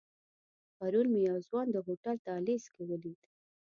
پرون مې یو ځوان د هوټل دهلیز کې ولید.